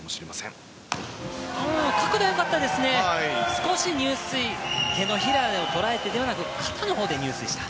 少し入水、手のひらで捉えてではなく肩のほうで入水した。